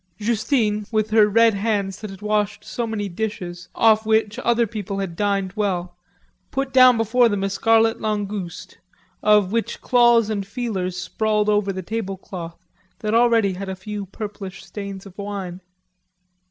Justine, with her red hands that had washed so many dishes off which other people had dined well, put down between them a scarlet langouste, of which claws and feelers sprawled over the tablecloth that already had a few purplish stains of wine.